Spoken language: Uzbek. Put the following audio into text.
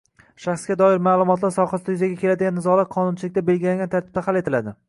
Shaxsga doir ma’lumotlar sohasida yuzaga keladigan nizolar qonunchilikda belgilangan tartibda hal etiladi.